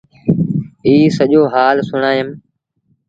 ائيٚݩ سڄو هآل سُڻآئيٚم ۔